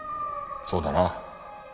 そうだな。